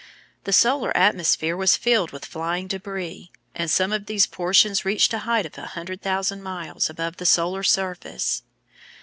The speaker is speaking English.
The solar atmosphere was filled with flying debris, and some of these portions reached a height of 100,000 miles above the solar surface.